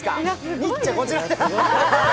ニッチェ、こちらです。